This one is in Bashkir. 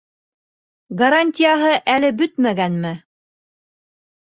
Гарантияһы әле бөтмәгәнме?